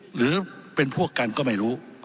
หรือเป็นพวกกันก็ไม่รู้